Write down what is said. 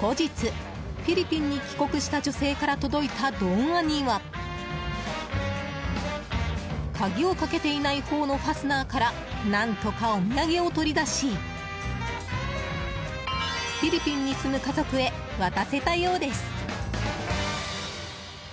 後日、フィリピンに帰国した女性から届いた動画には鍵をかけていないほうのファスナーから何とかお土産を取り出しフィリピンに住む家族へ渡せたようです。